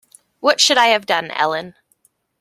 What should I have done, Ellen?